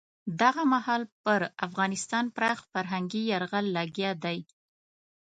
دغه مهال پر افغانستان پراخ فرهنګي یرغل لګیا دی.